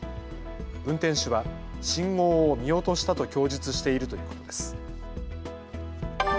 運転手は信号を見落としたと供述しているということです。